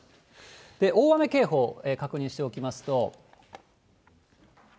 大雨警報、確認しておきますと。